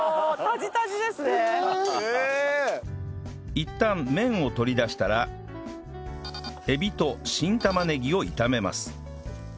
いったん麺を取り出したらエビと新玉ねぎを炒めます